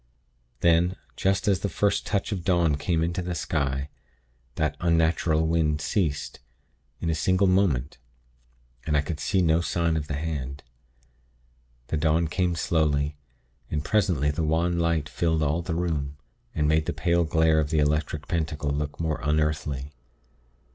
"Then, just as the first touch of dawn came into the sky, that unnatural wind ceased, in a single moment; and I could see no sign of the hand. The dawn came slowly, and presently the wan light filled all the room, and made the pale glare of the Electric Pentacle look more unearthly.